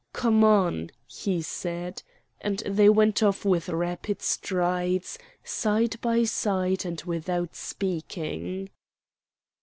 "Come on!" he said; and they went off with rapid strides, side by side, and without speaking.